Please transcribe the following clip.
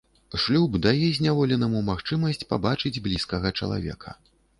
Шлюб дае зняволенаму магчымасць пабачыць блізкага чалавека.